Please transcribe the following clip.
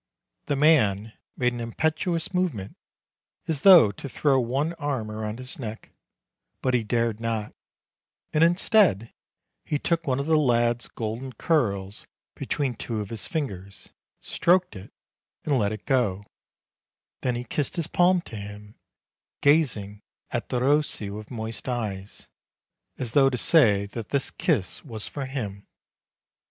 The man made an impetuous movement, as though to throw one arm round his neck ; but he dared not, and instead he took one of the lad's golden curls between two of his fingers, stroked it and let it go; then he kissed his palm to him, gazing at Derossi with moist eyes, as though to say that this kiss was for him.